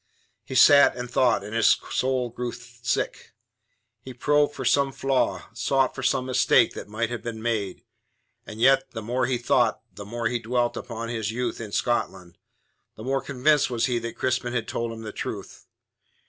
He sat and thought, and his soul grew sick. He probed for some flaw, sought for some mistake that might have been made. And yet the more he thought, the more he dwelt upon his youth in Scotland, the more convinced was he that Crispin had told him the truth.